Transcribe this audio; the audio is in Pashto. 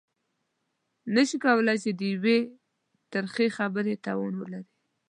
نه شي کولای چې د يوې ترخې خبرې توان ولري.